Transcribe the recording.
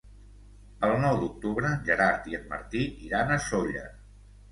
El nou d'octubre en Gerard i en Martí iran a Sóller.